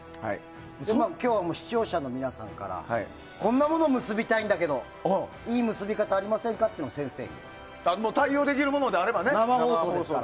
今日は視聴者の皆さんからこんなものを結びたいんだけどいい結び方ありませんかというものを先生に、生放送ですから。